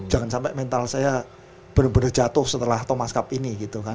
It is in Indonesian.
jangan sampai mental saya benar benar jatuh setelah thomas cup ini gitu kan